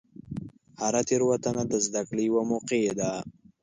هره تېروتنه د زدهکړې یوه موقع ده.